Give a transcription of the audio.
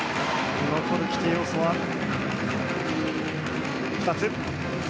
残る規定要素は２つ。